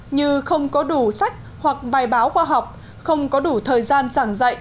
như không có đủ sách hoặc bài báo khoa học không có đủ thời gian giảng dạy